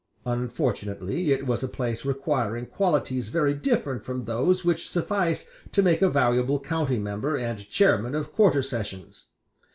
Unfortunately it was a place requiring qualities very different from those which suffice to make a valuable county member and chairman of quarter sessions.